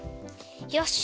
よし！